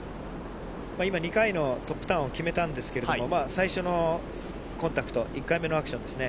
今、２回のトップターンを決めたんですけれども、最初のコンタクト、１回目のアクションですね。